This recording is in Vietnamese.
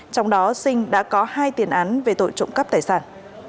tiền án về tội trộm cắp tài sản